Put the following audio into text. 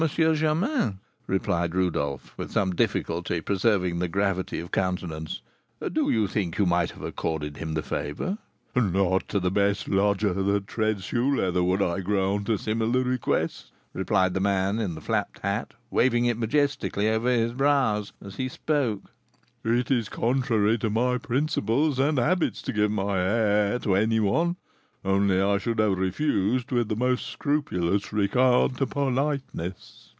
Germain," replied Rodolph, with some difficulty preserving the gravity of countenance, "do you think you might have accorded him the favour?" "Not to the best lodger that treads shoe leather would I grant a similar request," replied the man in the flapped hat, waving it majestically over his brows as he spoke; "it is contrary to my principles and habits to give my hair to any one, only I should have refused with the most scrupulous regard to politeness."